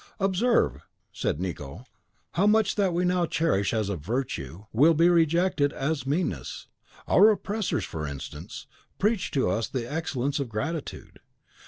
"Observe," said Nicot, "how much that we now cherish as a virtue will then be rejected as meanness. Our oppressors, for instance, preach to us of the excellence of gratitude.